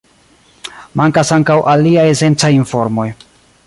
Mankas ankaŭ aliaj esencaj informoj.